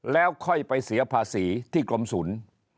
แล้วค่อยไปเสียภาษีที่กรมศูนย์